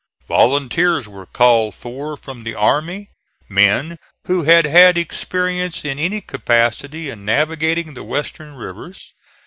Volunteers were called for from the army, men who had had experience in any capacity in navigating the western rivers.